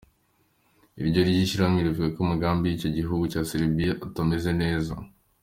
Iryo shirahamwe rivuga ko amakambi yo muri ico gihugu ca Serbia atameze neza.